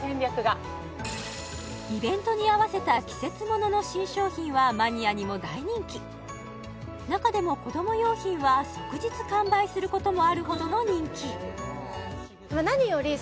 イベントに合わせた季節物の新商品はマニアにも大人気中でも子ども用品は即日完売することもあるほどの人気